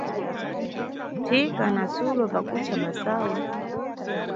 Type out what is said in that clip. Thika na Sulo pakucha masayu.